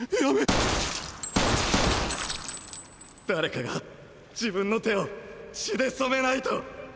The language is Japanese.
誰かが自分の手を血で染めないと。